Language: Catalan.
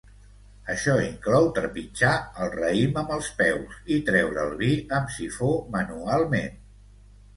Això inclou trepitjar el raïm amb els peus i treure el vi amb sifó manualment.